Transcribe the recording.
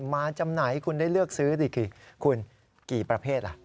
มาจำหน่ายคุณได้เลือกซื้อดิคุณกี่ประเภทล่ะ